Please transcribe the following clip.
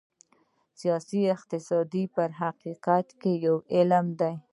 سیاسي اقتصاد په حقیقت کې یو علم دی.